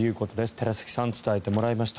寺崎さんに伝えてもらいました。